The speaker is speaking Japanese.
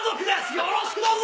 よろしくどうぞ！